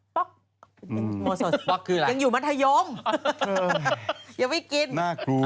สดสป๊อกคืออะไรยังอยู่มัธยมยังไม่กินน่ากลัว